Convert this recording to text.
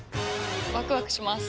ワクワクします。